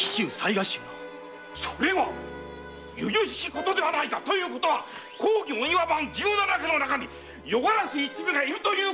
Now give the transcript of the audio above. それは由々しきことではないか‼ということは公儀お庭番十七家の中に夜鴉一味がいるということ‼